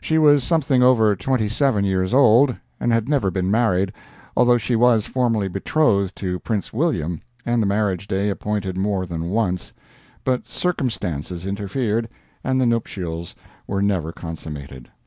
She was something over twenty seven years old, and had never been married, although she was formally betrothed to Prince William and the marriage day appointed more than once, but circumstances interfered and the nuptials were never consummated.